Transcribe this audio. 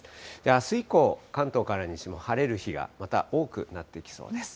あす以降、関東から西も晴れる日がまた多くなってきそうです。